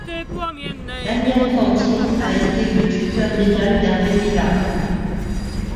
Daniel Cordier a été le tuteur légal d'Hervé Vilard.